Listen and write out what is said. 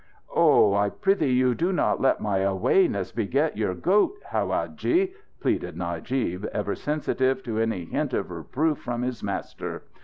"Oh, I prythee you, do not let my awayness beget your goat, howadji!" pleaded Najib, ever sensitive to any hint of reproof from his master.